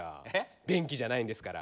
便器じゃないんですから。